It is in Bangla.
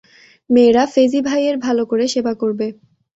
মেয়েরা, ফেজি ভাইয়ের ভালো করে সেবা করবে।